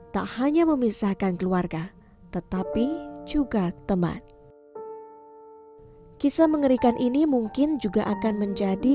tak hanya memisahkan keluarga tetapi juga kisah mengerikan ini mungkin juga akan menjadi